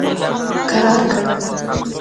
کرار کړ.